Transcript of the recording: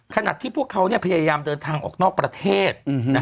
ขณะที่พวกเขาพยายามเดินทางออกนอกประเทศ